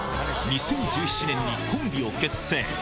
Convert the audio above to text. ２０１７年にコンビを結成。